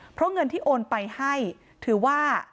เพราะเงินที่โอนไปให้ถือว่า